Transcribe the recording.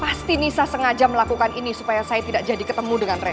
pasti nisa sengaja melakukan ini supaya saya tidak jadi ketemu dengan reza